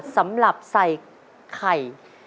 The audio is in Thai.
สำหรับใส่ไข่